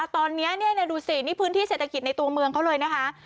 ตอนนี้ดูสินี่พื้นที่เศรษฐกิจในตัวเมืองเขาเลยนะคะ